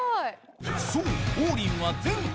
そう王林は前回